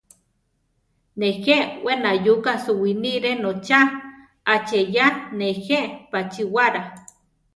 Nejé we nayuka suwinire notza, aacheyá nejé pachíwara.